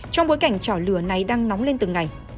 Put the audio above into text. trong bối cảnh trào lửa này đang nóng lên từng ngày